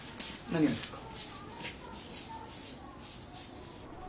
何がですか？